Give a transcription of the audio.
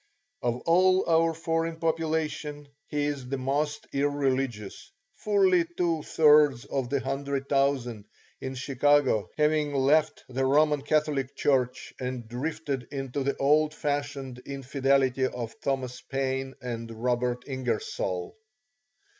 Of all our foreign population he is the most irreligious, fully two thirds of the 100,000 in Chicago having left the Roman Catholic Church and drifted into the old fashioned infidelity of Thomas Paine and Robert Ingersoll.